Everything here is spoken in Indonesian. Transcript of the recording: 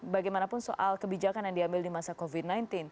bagaimanapun soal kebijakan yang diambil di masa covid sembilan belas